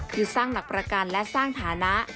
คือสร้างหลักประกันและสร้างฐานะ